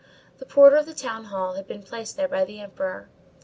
The porter of the town hall had been placed there by the Emperor.